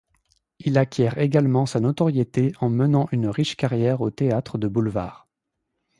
Il acquiert également sa notoriété en menant une riche carrière au théâtre de boulevard.